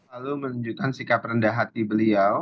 lalu menunjukkan sikap rendah hati beliau